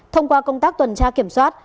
thông qua công tác tuần tra kiểm soát